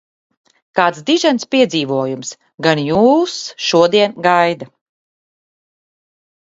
Kāds dižens piedzīvojums gan jūs šodien gaida?